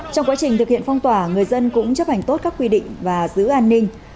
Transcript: trong quá trình thực hiện phong tỏa người dân cũng chấp hành tốt các quy định và giữ an ninh